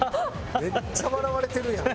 めっちゃ笑われてるやん。